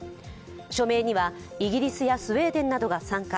署名にはイギリスやスウェーデンなどが参加。